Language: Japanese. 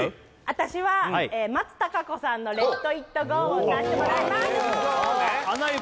私は松たか子さんの「レット・イット・ゴー」を歌わせてもらいますアナ雪？